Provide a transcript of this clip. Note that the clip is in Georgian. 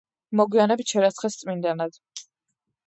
მოგვიანებით შერაცხეს წმინდანად.